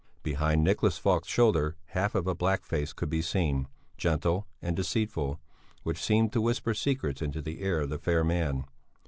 Behind Nicholas Falk's shoulder half of a black face could be seen, gentle and deceitful, which seemed to whisper secrets into the ear of the fair man.